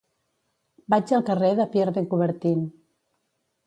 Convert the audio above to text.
Vaig al carrer de Pierre de Coubertin.